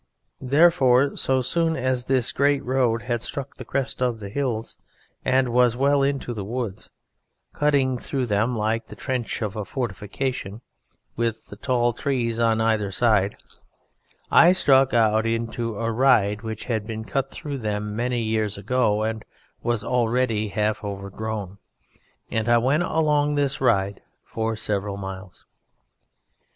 Therefore, so soon as this great road had struck the crest of the hills and was well into the woods (cutting through them like the trench of a fortification, with the tall trees on either side) I struck out into a ride which had been cut through them many years ago and was already half overgrown, and I went along this ride for several miles.